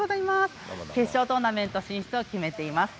決勝トーナメント進出を決めています。